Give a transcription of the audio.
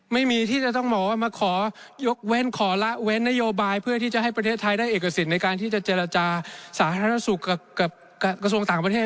ไม่มีที่จะต้องบอกว่ามาขอยกเว้นขอละเว้นนโยบายเพื่อที่จะให้ประเทศไทยได้เอกสิทธิ์ในการที่จะเจรจาสาธารณสุขกับกระทรวงต่างประเทศ